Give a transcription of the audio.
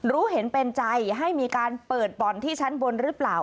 รู้เห็นเป็นใจให้มีการเปิดบ่อนที่ชั้นบนหรือเปล่า